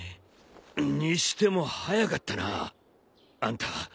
にしても早かったなあんた。